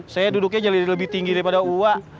saya duduknya jauh lebih tinggi daripada wak